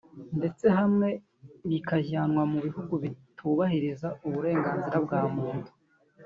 ndetse hamwe bikajyanwa mu bihugu bitubahiriza uburenganzira bwa muntu